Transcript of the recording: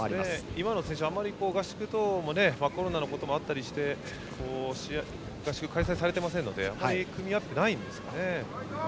今の選手はコロナもあったりして合宿が開催されていませんのであまり組み合ってないですかね。